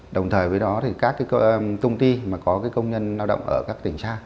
đồng thời với đó thì các cái công ty mà có công nhân lao động ở các tỉnh xa